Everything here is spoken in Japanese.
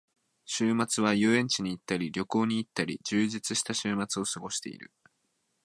週末は遊園地に行ったり旅行に行ったり、充実した週末を過ごしている。